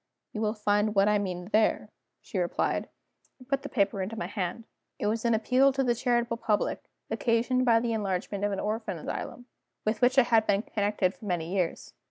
"You will find what I mean there," she replied and put the paper into my hand. It was an appeal to the charitable public, occasioned by the enlargement of an orphan asylum, with which I had been connected for many years.